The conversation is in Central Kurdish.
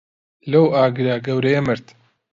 لەو ئاگرە گەورەیە مرد.